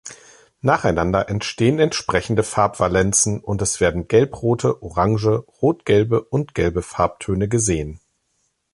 Nacheinander entstehen entsprechende Farbvalenzen und es werden gelbrote, orange, rotgelbe und gelbe Farbtöne gesehen.